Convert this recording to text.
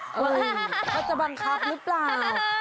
เขาจะบังคับหรือเปล่า